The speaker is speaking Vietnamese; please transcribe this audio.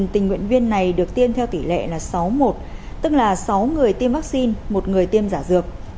một tình nguyện viên này được tiêm theo tỷ lệ là sáu một tức là sáu người tiêm vaccine một người tiêm giả dược